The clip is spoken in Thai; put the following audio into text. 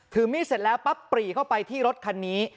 ถือมีดเสร็จแล้วปั๊บปรีเข้าไปที่รถคันนี้